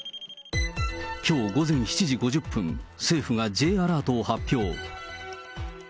きょう午前７時５０分、政府がＪアラートを発表。